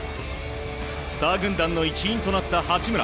スター軍団の一員となった八村。